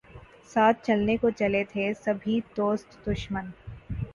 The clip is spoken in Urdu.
ساتھ چلنے کو چلے تھے سبھی دوست دشمن